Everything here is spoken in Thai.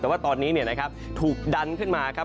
แต่ว่าตอนนี้เนี่ยนะครับถูกดันขึ้นมาครับ